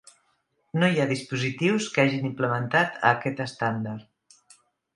No hi ha dispositius que hagin implementat aquest estàndard.